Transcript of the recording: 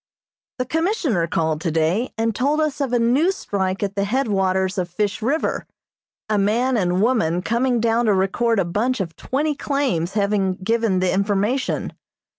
The Commissioner called today and told us of a new strike at the headwaters of Fish River; a man and woman coming down to record a bunch of twenty claims having given the information.